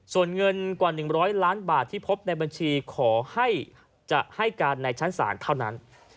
ส่วนเงินกว่า๑๐๐ล้านบาทที่พบในบัญชีขอให้จะให้การในชั้นศาลเท่านั้น